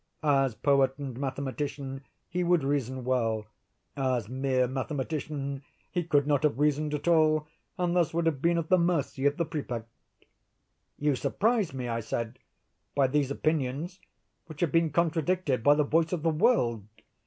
As poet and mathematician, he would reason well; as mere mathematician, he could not have reasoned at all, and thus would have been at the mercy of the Prefect." "You surprise me," I said, "by these opinions, which have been contradicted by the voice of the world.